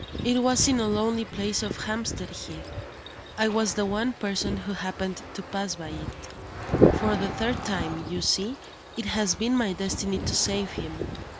It was in a lonely place on Hampstead Heath; I was the one person who happened to pass by it. For the third time, you see, it has been my destiny to save him.